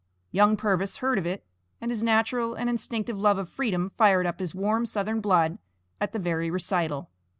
Young Purvis heard of it, and his natural and instinctive love of freedom fired up his warm southern blood at the very recital.